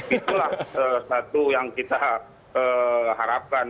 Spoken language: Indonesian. itulah satu yang kita harapkan